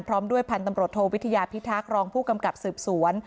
พร้อมด้วยพันธุ์ตำรวจโทวิทยาพิทักษ์รองผู้กำกับสืบสวน